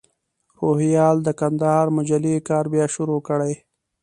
روهیال د کندهار مجلې کار بیا شروع کړی.